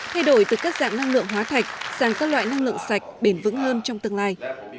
thay đổi từ các dạng năng lượng hóa thạch sang các loại năng lượng sạch bền vững hơn trong tương lai